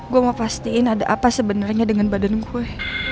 gue mau pastiin ada apa sebenarnya dengan badan gue